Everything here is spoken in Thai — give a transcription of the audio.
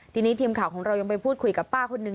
ทีนี้ทีมข่าวของเรายังไปพูดคุยกับป้าคนนึง